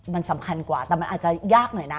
มันสำคัญกว่าแต่มันอาจจะยากหน่อยนะ